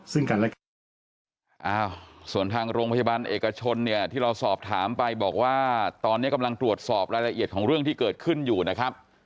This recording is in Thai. ซึ่งกันและกันส่วนทางโรงพยาบาลเอกชนเนี่ยที่เราสอบถามไปบอกว่าตอนนี้กำลังตรวจสอบรายละเอียดของเรื่องที่เกิดขึ้นอยู่นะครับ